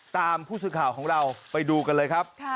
ตามผู้สื่อข่าวของเราไปดูกันเลยครับ